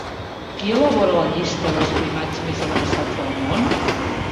Qui elabora la llista dels primats més amenaçats del món?